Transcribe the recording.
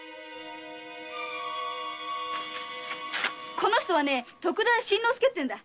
この人は徳田新之助っていうんだ。